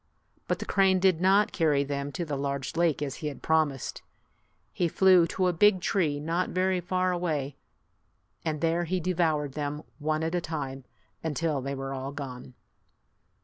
But the crane did not carry them to the large lake as he had promised. He flew to a big tree not very far away, and there he devoured them one at a time, until they were all gone.